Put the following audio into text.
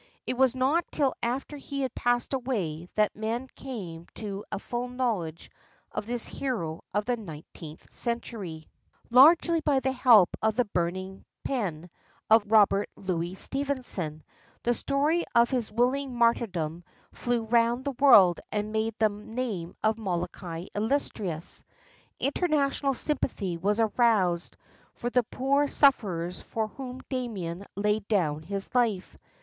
It was not till after he had passed away that men came to a full knowledge of this hero of the nineteenth century. 533 ISLANDS OF THE PACIFIC Largely by the help of the burning pen of Robert Louis Stevenson, the story of his willing martyrdom flew round the world and made the name of Molokai illustrious. International sympathy was aroused for the poor sufferers for whom Damien laid down his Hfe.